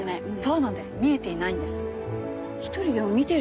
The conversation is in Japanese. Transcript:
そうなんです見えていない。